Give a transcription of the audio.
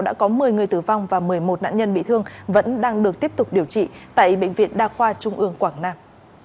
đã có một mươi người tử vong và một mươi một nạn nhân bị thương vẫn đang được tiếp tục điều trị tại bệnh viện đa khoa trung ương quảng nam